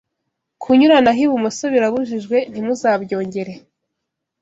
kunyuranaho ibumoso birabujijwe ntimuzabyongere